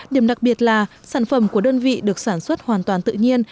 điểm đặc biệt là sản phẩm của đơn vị được sản xuất hoàn toàn tự nhiên